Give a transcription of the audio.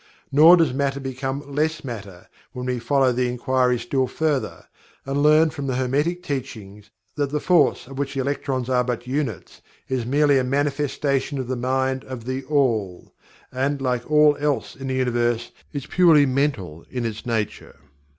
Nor does Matter become less Matter, when we follow the inquiry still further, and learn from the Hermetic Teachings, that the "Force" of which the electrons are but units is merely a manifestation of the Mind of THE ALL, and like all else in the Universe is purely Mental in its nature.